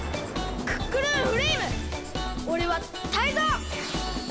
クックルンフレイムおれはタイゾウ！